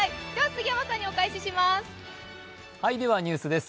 杉山さんにお返しします。